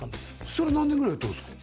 それ何年ぐらいやったんですか？